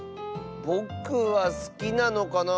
ぼくはすきなのかなあ。